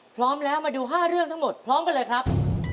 พร้อมแล้วมาดู๕เรื่องทั้งหมดพร้อมกันเลยครับ